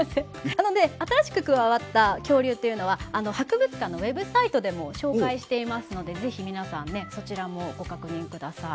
なので新しく加わった恐竜っていうのは博物館のウェブサイトでも紹介していますので是非皆さんねそちらもご確認ください。